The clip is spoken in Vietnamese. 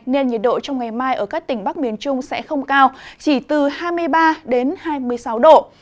nên nhiệt độ trong ngày mai ở các tỉnh bắc miền trung sẽ không cao chỉ từ hai mươi ba đến hai mươi sáu độ